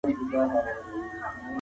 د رییس واکونه څومره دي؟